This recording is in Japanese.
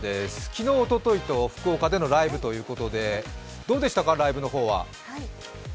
昨日、おとといと福岡でのライブということで、どうでしたかライブの方は？